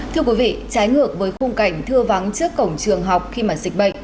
thưa quý vị trái ngược với khung cảnh thưa vắng trước cổng trường học khi mà dịch bệnh